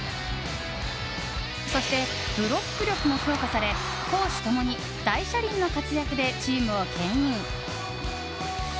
そして、ブロック力も強化され攻守ともに大車輪の活躍でチームを牽引。